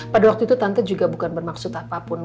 pada waktu itu tante juga bukan bermaksud apapun